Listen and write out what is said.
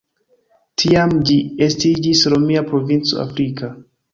Tiam ĝi estiĝis romia provinco "Africa".